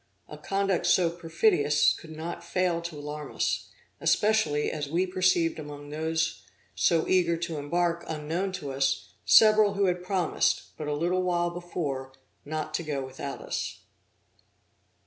A conduct so perfidious could not fail to alarm us, especially as we perceived among those so eager to embark unknown to us, several who had promised, but a little while before, not to go without us.